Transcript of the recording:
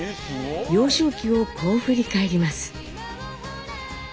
幼少期をこう振り返ります。